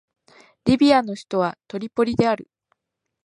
リビアの首都はトリポリである